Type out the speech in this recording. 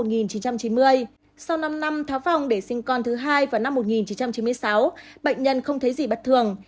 sau năm năm tháo vòng để sinh con thứ hai vào năm một nghìn chín trăm chín mươi sáu bệnh nhân không thấy gì bất thường